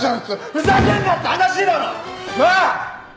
ふざけんなって話だろ！なあ！